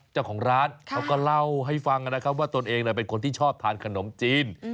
เจ้าของร้านเขาก็เล่าให้ฟังนะครับว่าตนเองเป็นคนที่ชอบทานขนมจีน